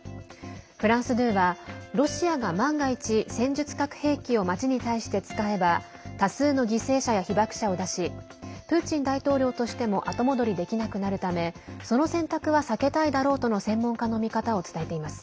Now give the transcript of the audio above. フランス２はロシアが万が一戦術核兵器を町に対して使えば多数の犠牲者や被爆者を出しプーチン大統領としても後戻りできなくなるためその選択は避けたいだろうとの専門家の見方を伝えています。